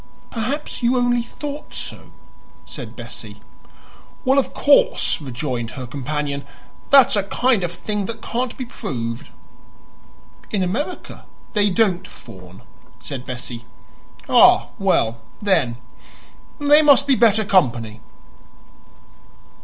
"Perhaps you only thought so," said Bessie. "Well, of course," rejoined her companion, "that's a kind of thing that can't be proved." "In America they don't fawn," said Bessie. "Ah, well, then, they must be better company."